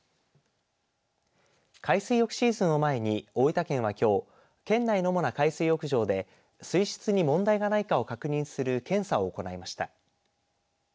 海水浴シーズンを前に大分県はきょう県内の主な海水浴場で水質に問題がないかを確認する検査を行いました。